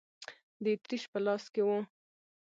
د اتریش په لاس کې و.